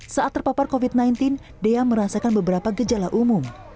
saat terpapar covid sembilan belas dea merasakan beberapa gejala umum